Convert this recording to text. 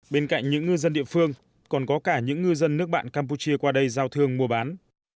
bên cạnh những ngư dân địa phương còn có cả những ngư dân nước bạn campuchia qua đây giao thương mua bán